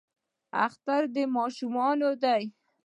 اختر د ماشومانو دی